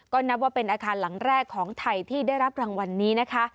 ก็นับว่าเป็นอาคารหลังแรกของไทยที่ได้รับรางวัลนี้นะคะ